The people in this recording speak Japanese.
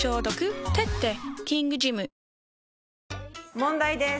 問題です。